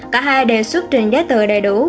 cả hai đều xuất trình giấy tờ đầy đủ